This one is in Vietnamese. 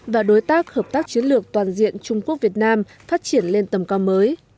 và đối tác hợp tác chiến lược toàn diện trung quốc việt nam phát triển lên tầm cao mới